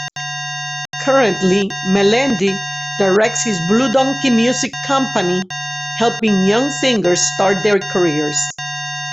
Currently, Melendi directs his Blue Donkey Music company, helping young singers start their careers.